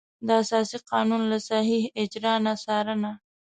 د اساسي قانون له صحیح اجرا نه څارنه.